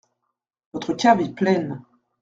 Votre cave est pleine.